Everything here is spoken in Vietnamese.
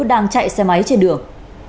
đang chạy xe máy trên đường